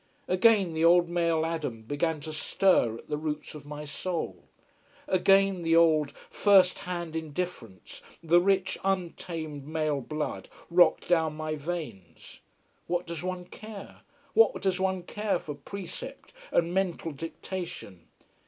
Again the old male Adam began to stir at the roots of my soul. Again the old, first hand indifference, the rich, untamed male blood rocked down my veins. What does one care? What does one care for precept and mental dictation?